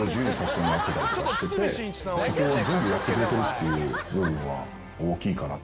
そこを全部やってくれてるっていう部分は大きいかなって。